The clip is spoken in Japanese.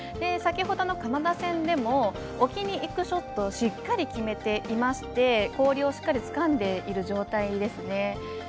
先ほどのカナダ戦でも置きにいくショットをしっかり決めていまして氷をしっかりつかんでいる状態ですね。